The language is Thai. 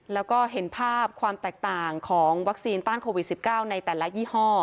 แล้วก็เห็นภาพความแตกต่างของวัคซีนต้านโควิด๑๙ในแต่ละยี่ห้อ